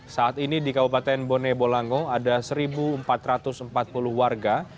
saat ini di kabupaten bone bolango ada satu empat ratus empat puluh warga